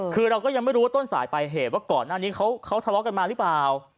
คือเราก็ยังไม่รู้ว่าต้นสายปลายเหตุว่าก่อนหน้านี้เขาทะเลาะกันมาหรือเปล่า